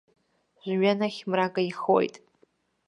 Жәҩанахь мрак еихоит.